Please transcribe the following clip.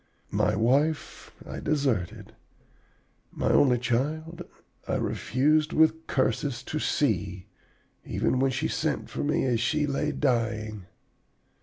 My wife I deserted. My only child I refused, with curses, to see, even when she sent for me as she lay dying.